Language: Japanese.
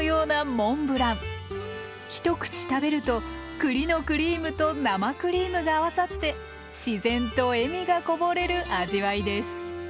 一口食べると栗のクリームと生クリームが合わさって自然と笑みがこぼれる味わいです。